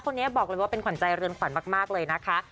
คนนี้บอกเลยว่าเป็นขวัญใจเรือนขวัญมากเลยนะคะ